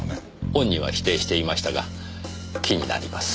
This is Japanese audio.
本人は否定していましたが気になります。